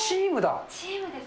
チームです。